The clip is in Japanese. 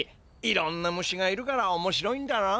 いろんな虫がいるからおもしろいんだろ。